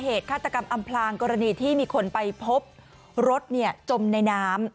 ฆาตกรรมอำพลางกรณีที่มีคนไปพบรถจมในน้ำ